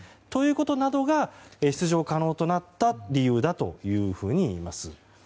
ということなどが出場可能となった理由だというふうにいいます。